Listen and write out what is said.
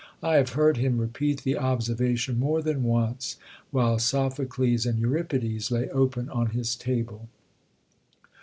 I have heard him repeat the observation more than once, while Sophocles and Euripides lay open on his table."